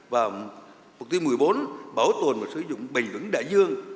và mục tiêu một mươi bốn bảo tồn và sử dụng bình vững đại dương